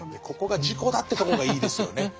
ここが自己だってとこがいいですよね。